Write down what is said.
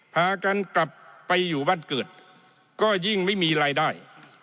พากันกลับไปอยู่บ้านเกิดก็ยิ่งไม่มีรายได้